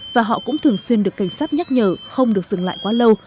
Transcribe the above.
và họ cũng thường xuyên được cảnh sát nhắc nhở không được dừng lại quá lâu